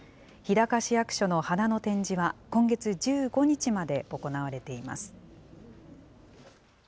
日高市役所の花の展示は、今月１５日まで行われています。